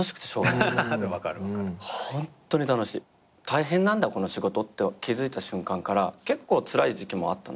大変なんだこの仕事って気付いた瞬間から結構つらい時期もあった。